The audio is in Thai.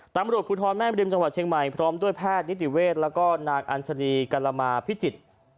ตำรวจภูทรแม่มริมจังหวัดเชียงใหม่พร้อมด้วยแพทย์นิติเวศแล้วก็นางอัญชรีกรมาพิจิตร